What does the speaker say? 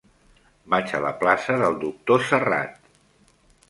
Vaig a la plaça del Doctor Serrat.